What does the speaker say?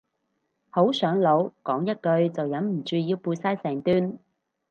好上腦，講一句就忍唔住要背晒成段